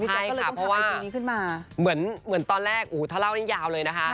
พี่เจ๊ก็เลยต้องทำไอจีนี้ขึ้นมาเพราะว่าเหมือนตอนแรกถ้าเล่านี่ยาวเลยนะคะ